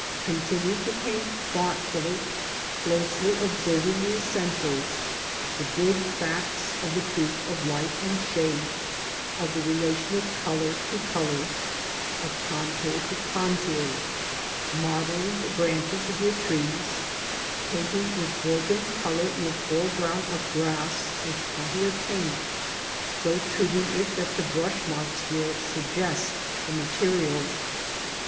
Continue to paint thoughtfully, closely observing the essentials, the bi g facts o f thetruth 9^ J^gj^jfj'^^ shade, of the relation of^cokmLJto colour, of contour to contour, modellinef the branches^fjajUlJjIges, painting with broken colour your foreground of grass with plenty of paint, so treating it that the brush marks will suggest the material.